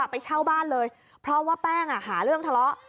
ไปเช่าบ้านเลยเพราะว่าแป้งหาเรื่องทะเลาะ